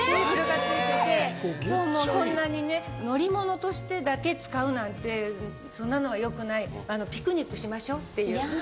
もうそんなにね乗り物としてだけ使うなんてそんなのはよくないピクニックしましょうっていう。